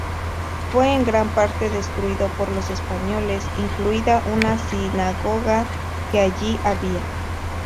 Fue en gran parte destruido por los españoles, incluida una sinagoga que allí había.